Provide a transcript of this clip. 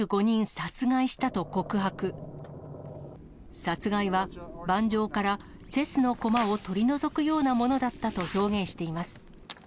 殺害は、盤上からチェスの駒を取り除くようなものだったと表現しています。